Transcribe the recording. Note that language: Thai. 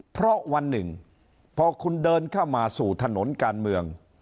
เพราะวันหนึ่งพอคุณเดินเข้ามาสู่ถนนการเมือง